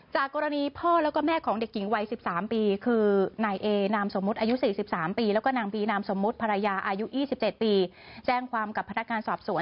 จากกรณีพ่อและแม่ของเด็กหญิงวัย๑๓ปี